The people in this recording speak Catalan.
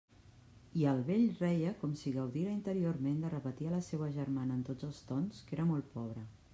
I el vell reia com si gaudira interiorment de repetir a la seua germana en tots els tons que era molt pobre.